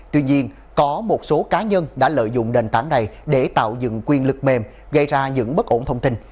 tuy nhiên có một số cá nhân đã lợi dụng nền tảng này để tạo dựng quyền lực mềm gây ra những bất ổn thông tin